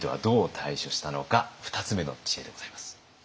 ２つ目の知恵でございます。